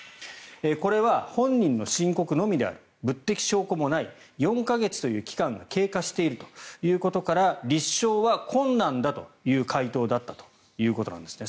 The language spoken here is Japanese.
これは本人の申告のみである物的証拠もない４か月という期間が経過しているということから立証は困難だという回答だったということなんですね。